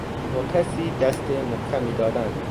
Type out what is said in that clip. با کسی دست محکمی دادن